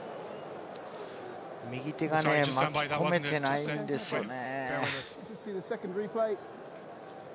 右手がね、巻き込めていないんですよね。